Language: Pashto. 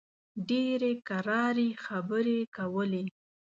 ډېرې کراري خبرې کولې.